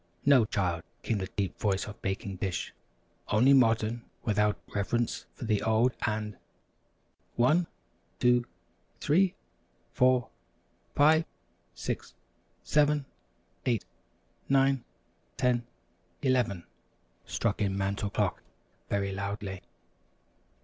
"No, child," came the deep voice of Baking Dish, "only modern without reverence for the old and " "One two three four five six seven eight nine ten eleven!" struck in Mantel Clock, very loudly.